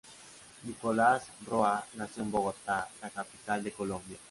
Nicolás Roa, nació en Bogotá, la capital de Colombia.